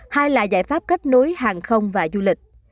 hai là giải pháp kết nối hàng không và du lịch